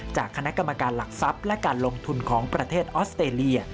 จากคณะกรรมการหลักทรัพย์และการลงทุนของประเทศออสเตรเลีย